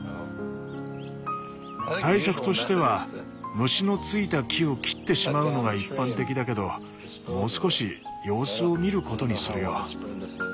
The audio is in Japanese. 対策としては虫のついた木を切ってしまうのが一般的だけどもう少し様子を見ることにするよ。